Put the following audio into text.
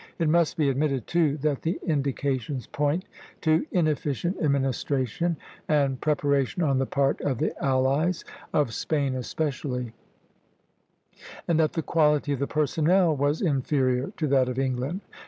It must be admitted, too, that the indications point to inefficient administration and preparation on the part of the allies, of Spain especially; and that the quality of the personnel was inferior to that of England.